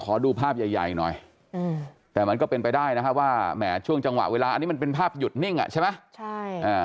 ขอดูภาพใหญ่หน่อยแต่มันก็เป็นไปได้นะฮะว่าแหมช่วงจังหวะเวลาอันนี้มันเป็นภาพหยุดนิ่งอ่ะใช่ไหมใช่อ่า